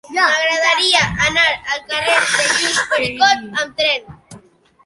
M'agradaria anar al carrer de Lluís Pericot amb tren.